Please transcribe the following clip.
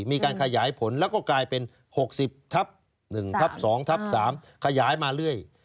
มีการขยายผลแล้วก็กลายเป็น๖๐ทับ๑ทับ๒ทับ๓ขยายมาเรื่อย